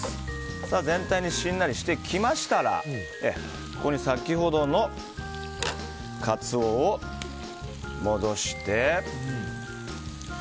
全体がしんなりしてきましたらここに先ほどのカツオを戻して。